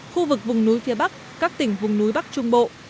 khu vực vùng núi phía bắc các tỉnh vùng núi bắc trung bộ